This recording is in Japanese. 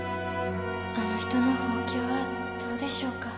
あの人の箒はどうでしょうか？